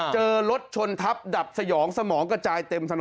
เจอรถชนทับดับสยองสมองกระจายเต็มถนน